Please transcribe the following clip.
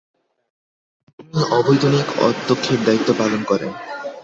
তিনি অবৈতনিক অধ্যক্ষের দায়িত্ব পালন করেন।